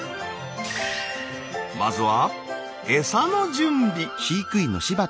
まずは餌の準備。